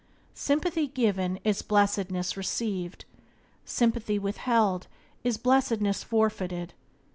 Sympathy given is blessedness received; sympathy withheld is blessedness forfeited.